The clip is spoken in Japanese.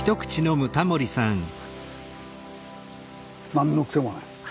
何の癖もない。